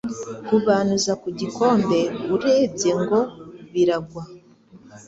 Hubanuza kugikombe urebye ngo biragwa